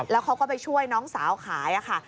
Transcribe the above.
แล้วเขาก็ไปช่วยน้องสาวขายค่ะ